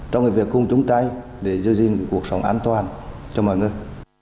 trong cái việc cung chúng ta để giữ gìn cuộc sống an toàn cho mọi người